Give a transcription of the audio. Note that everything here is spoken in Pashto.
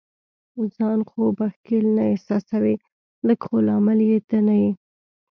ځان خو به ښکیل نه احساسوې؟ لږ، خو لامل یې ته نه یې.